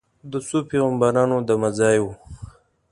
د څو پیغمبرانو دمه ځای و.